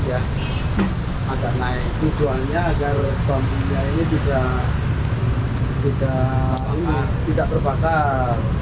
tujuannya agar bumbunya ini tidak berbakar